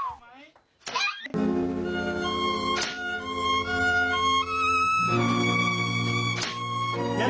มันโดนหรือยังมันโดนหรือยัง